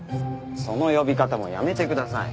その呼び方もやめてください。